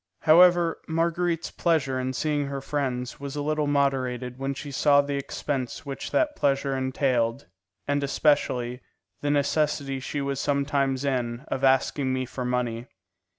However, Marguerite's pleasure in seeing her friends was a little moderated when she saw the expense which that pleasure entailed, and especially the necessity she was sometimes in of asking me for money.